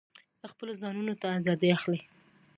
خپلو ځانونو ته آزادي اخلي.